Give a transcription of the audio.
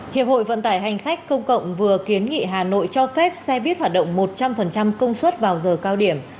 hiệp hội vận tải hành khách công cộng vừa kiến nghị hà nội cho phép xe buýt hoạt động một trăm linh công suất vào giờ cao điểm